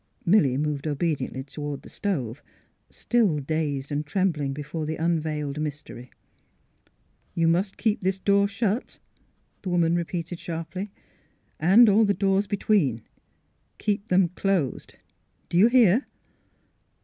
Milly moved obediently toward the stove, still dazed and trembling before the unveiled mystery. " You must keep this door shut? " the woman repeated, sharply. " And all the doors between — keep them closed. Do you hear?